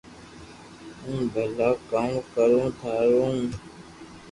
ھون ڀلا ڪاو ڪرو ٿارو